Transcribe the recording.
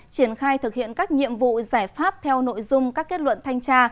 triển khai thực hiện các nhiệm vụ giải pháp theo nội dung các kết luận thanh tra